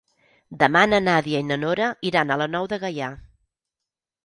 Demà na Nàdia i na Nora iran a la Nou de Gaià.